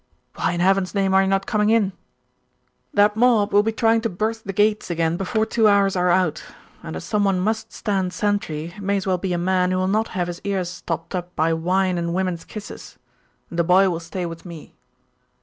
'Why in heaven's name are you not coming in?' 'That mob will be trying to burst the gates again before two hours are out; and as some one must stand sentry, it may as well be a man who will not have his ears stopped up by wine and women's kisses. The boy will stay with me.